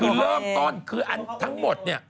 คือเริ่มต้นคืออันทั้งหมดเนี่ย